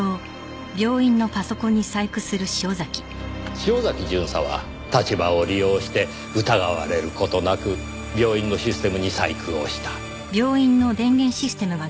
潮崎巡査は立場を利用して疑われる事なく病院のシステムに細工をした。